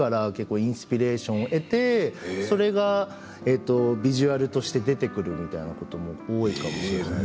文字からインスピレーションを得てビジュアルとして出てくるみたいなことも多いかもしれません。